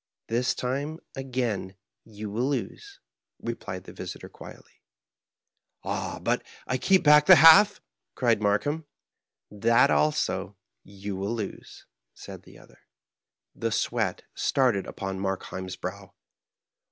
" This time, again, you will lose," replied the visitor, quietly. "Ah, but I keep back the half I" cried Markheim. " That also you will lose," said the other. The sweat started upon Markheim's brow.